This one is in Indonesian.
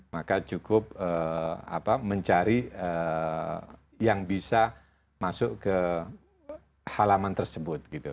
maka cukup mencari yang bisa masuk ke halaman tersebut gitu